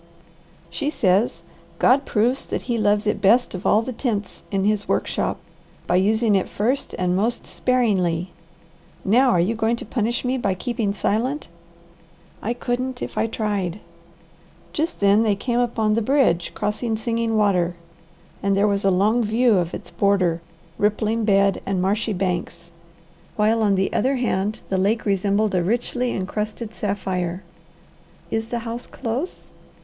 "She says, 'God proves that He loves it best of all the tints in His workshop by using it first and most sparingly.' Now are you going to punish me by keeping silent?" "I couldn't if I tried." Just then they came upon the bridge crossing Singing Water, and there was a long view of its border, rippling bed, and marshy banks; while on the other hand the lake resembled a richly incrusted sapphire. "Is the house close?"